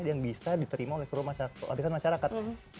yang bisa diterima oleh seluruh masyarakat